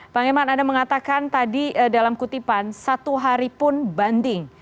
bang iman anda mengatakan tadi dalam kutipan satu hari pun banding